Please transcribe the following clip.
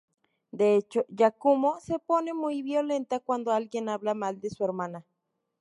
De hecho, Yakumo se pone muy violenta cuando alguien habla mal de su hermana.